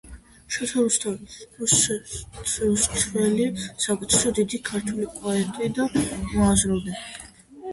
შოთა რუსთაველი, რუსთველი საუკუნის დიდი ქართველი პოეტი და მოაზროვნე